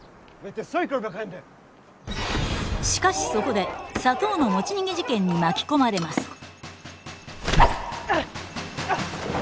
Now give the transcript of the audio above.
しかしそこで砂糖の持ち逃げ事件に巻き込まれます。